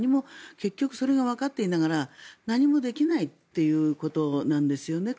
結局それがわかっていながら何もできないっていうことなんですよね。